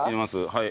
はい。